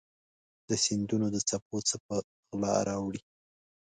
د سیندونو د څپو څه په غلا راوړي